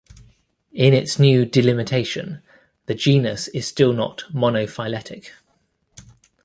In its new delimitation the genus is still not monophyletic.